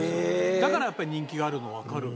だからやっぱり人気があるのわかる。